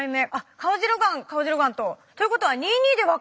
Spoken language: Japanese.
カオジロガンカオジロガンと。ということは２・２で分かれました。